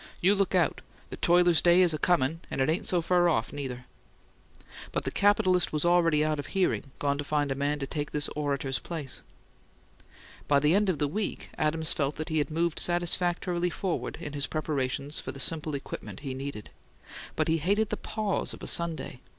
"You look out: the toiler's day is a comin', and it ain't so fur off, neither!" But the capitalist was already out of hearing, gone to find a man to take this orator's place. By the end of the week, Adams felt that he had moved satisfactorily forward in his preparations for the simple equipment he needed; but he hated the pause of Sunday.